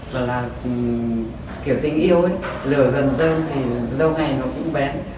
và là kiểu tình yêu ấy lừa gần dân thì lâu ngày nó cũng bén